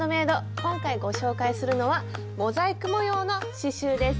今回ご紹介するのはモザイク模様の刺しゅうです。